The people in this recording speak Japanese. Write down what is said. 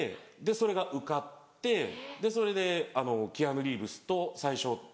それが受かってそれでキアヌ・リーブスと最初。